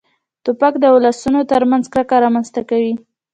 توپک د ولسونو تر منځ کرکه رامنځته کوي.